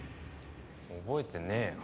覚えてねえよ。